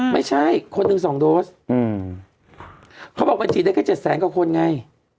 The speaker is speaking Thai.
ไม่ใช่คนหนึ่งสองโดสเขาบอกมันฉีดได้แค่๗แสนกว่าคนไง